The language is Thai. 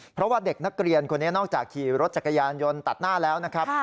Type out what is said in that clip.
เพราะว่าเด็กนักเรียนคนนี้นอกจากขี่รถจักรยานยนต์ตัดหน้าแล้วนะครับ